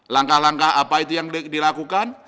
langkah langkah apa itu yang dilakukan